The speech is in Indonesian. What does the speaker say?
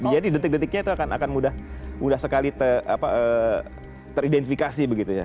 jadi detik detiknya itu akan mudah sekali teridentifikasi begitu ya